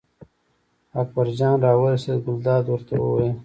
اکبرجان راورسېد، ګلداد ورته وویل.